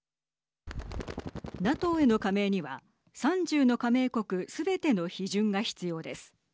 ＮＡＴＯへの加盟には３０の加盟国すべての批准が必要です。